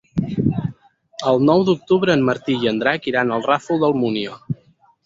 El nou d'octubre en Martí i en Drac iran al Ràfol d'Almúnia.